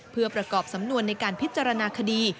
เพื่อประกอบสำนวนในการพิจารณาคดี